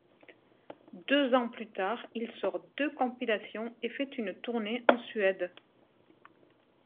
Deux ans plus tard, il sort deux compilations et fait une tournée en Suède.